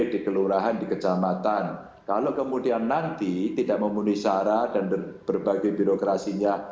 di kelurahan di kecamatan kalau kemudian nanti tidak memenuhi syarat dan berbagai birokrasinya